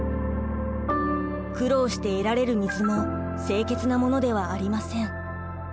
苦労して得られる水も清潔なものではありません。